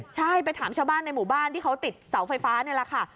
ใช่ไปถามชาวบ้านในหมู่บ้านที่เขาติดเสาไฟฟ้านี่แหละค่ะ